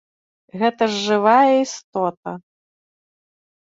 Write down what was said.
Гэта ж жывая істота!